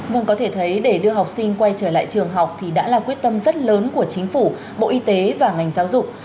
vùng có thể thấy để đưa học sinh quay trở lại trường học thì đã là quyết tâm rất lớn của chính phủ bộ y tế và ngành giáo dục